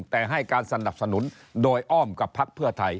แต่ให้การสนับสนุนโดยอ้อมกับพักเพื่อไทย